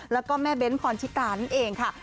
แล้วก็แม่เบ้นพรชิตานั่นเองค่ะ